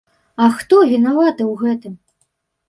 І хто вінаваты ў гэтым?